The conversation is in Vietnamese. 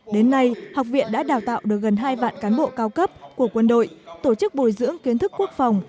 đến nay học viện đã đào tạo được gần hai vạn cán bộ cao cấp của quân đội tổ chức bồi dưỡng kiến thức quốc phòng